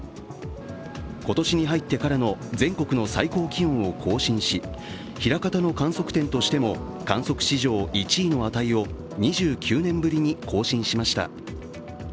今年に入ってからの全国の最高気温を更新し、枚方の観測点としても観測史上１位の値を２９年ぶりに更新しました。